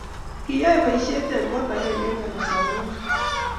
kiyoei poishet eng kot akenge eng naganaset noto